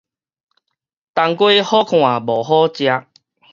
冬瓜好看無好食